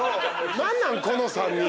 何なん⁉この３人。